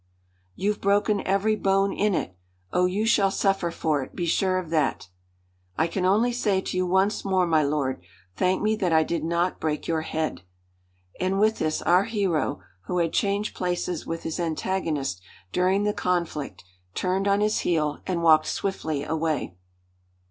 "You've broken every bone in it! Oh, you shall suffer for it, be sure of that!" "I can only say to you once more, my lord, thank me that I did not break your head." And with this our hero, who had changed places with his antagonist during the conflict, turned on his heel and walked swiftly away.